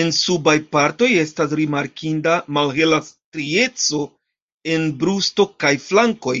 En subaj partoj estas rimarkinda malhela strieco en brusto kaj flankoj.